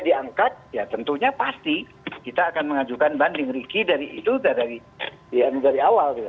diangkat ya tentunya pasti kita akan mengajukan banding ricky dari itu sudah dari awal